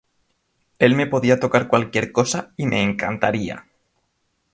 Él me podía tocar cualquier cosa, y me encantaría".